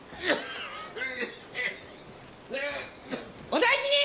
お大事に！